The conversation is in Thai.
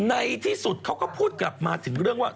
ในที่สุดเขาก็พูดกลับมาถึงเรื่องว่า